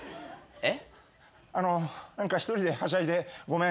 えっ？